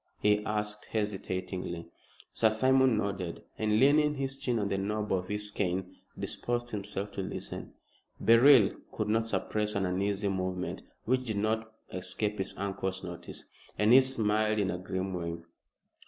he asked hesitatingly. Sir Simon nodded, and, leaning his chin on the knob of his cane, disposed himself to listen. Beryl could not suppress an uneasy movement, which did not escape his uncle's notice, and he smiled in a grim way.